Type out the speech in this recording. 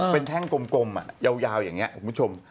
เป็นแท่งกลมยาวอย่างนี้คุณผู้ชม